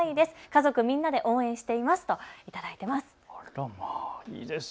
家族みんなで応援していますと頂いています。